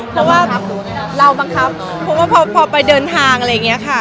เพราะว่าเราบังคับเพราะว่าพอไปเดินทางอะไรอย่างนี้ค่ะ